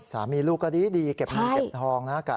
สามีลูกก็ดีเก็บเงินเก็บทองนะ